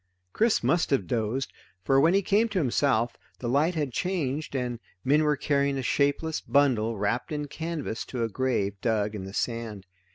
Chris must have dozed, for when he came to himself the light had changed, and men were carrying a shapeless bundle wrapped in canvas to a grave dug in the sand.